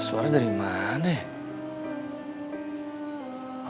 suara dari mana ya